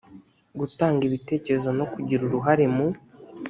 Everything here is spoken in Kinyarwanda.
gutanga ibitekerezo no kugira uruhare mu